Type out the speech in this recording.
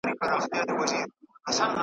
ملا وویل تعویذ درته لیکمه .